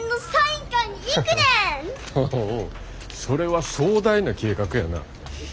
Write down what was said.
それは壮大な計画やな。